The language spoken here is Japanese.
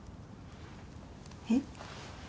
えっ？